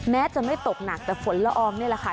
แม้จะไม่ตกหนักแต่ฝนละอองนี่แหละค่ะ